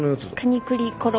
カニクリコロ。